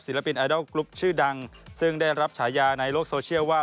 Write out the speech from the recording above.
ปินไอดอลกรุ๊ปชื่อดังซึ่งได้รับฉายาในโลกโซเชียลว่า